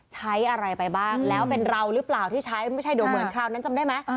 ใช้อะไรไปบ้างแล้วเป็นเราหรือเปล่าที่ใช้ไม่ใช่ดูเหมือนคราวนั้นจำได้ไหม